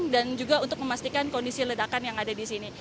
dan juga untuk memastikan kondisi ledakan yang ada di sini